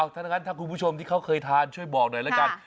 ถ้าคุณผู้ชมที่เค้าเคยทานช่วยบอกหน่อยละกัน